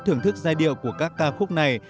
thưởng thức giai điệu của các ca khúc này